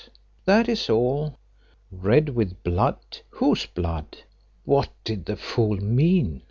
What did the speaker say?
That is all." "Red with blood! Whose blood? What did the fool mean?"